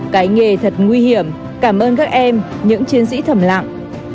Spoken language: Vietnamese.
cái nghề thật nguy hiểm cảm ơn các em những chiến sĩ thầm lặng